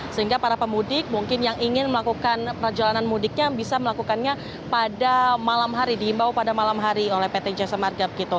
sehingga para pemudik mungkin yang ingin melakukan perjalanan mudiknya bisa melakukannya pada malam hari diimbau pada malam hari oleh pt jasa marga